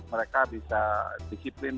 mereka bisa disiplin